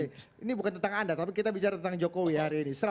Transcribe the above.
ini bukan tentang anda tapi kita bicara tentang jokowi hari ini